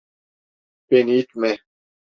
Beni itme!